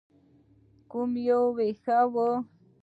کوم یو ښه و؟